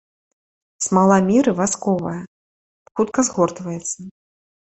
Смала міры васковая, хутка згортваецца.